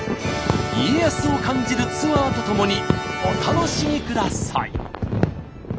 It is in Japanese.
家康を感じるツアーとともにお楽しみください。